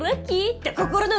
って心の